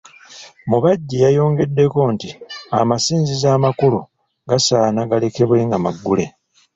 Mubajje yayongeddeko nti amasinzizo amakulu gasaana galekebwe nga maggule.